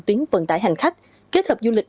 tuyến vận tải hành khách kết hợp du lịch